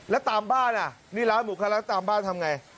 แล้วตามบ้านนี่ร้านหมู่คลาลักษณ์ตามบ้านทำอย่างไร